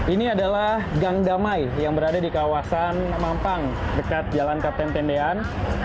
ini adalah gang damai yang berada di kawasan mampang dekat jalan kapten tendean